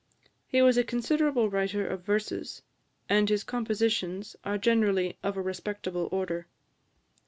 He was a considerable writer of verses, and his compositions are generally of a respectable order.